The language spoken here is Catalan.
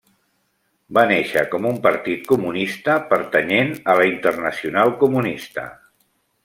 Va néixer com un Partit Comunista pertanyent a la Internacional Comunista.